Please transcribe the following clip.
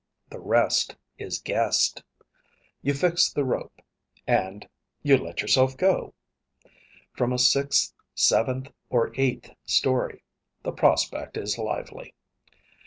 The rest is guessed. You fix the rope, and you let yourself go. From a sixth, seventh, or eighth story, the prospect is lively.